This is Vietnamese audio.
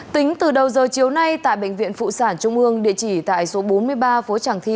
tính từ đầu giờ chiều nay tại bệnh viện phụ sản trung ương địa chỉ tại số bốn mươi ba phố tràng thi